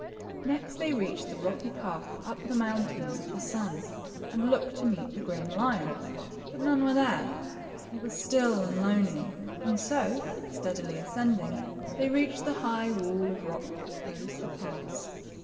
Next they reached the rocky path up the Moun tains of the Sun, and looked to meet the grim lions ; but none were there. It was still and lonely, and so, steadily ascending, they reached the high wall THE TWO PRINCES. 97 of rock that closed the pass.